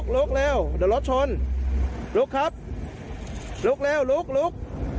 ลุกเร็วเดี๋ยวรถชนลุกครับลุกเร็วลุก